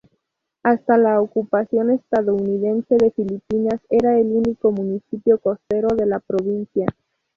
Hasta la ocupación estadounidense de Filipinas era el único municipio costero de la provincia.